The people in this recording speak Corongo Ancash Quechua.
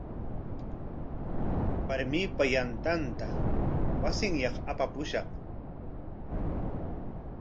Warmipa yantanta wasinyaq apapushqa.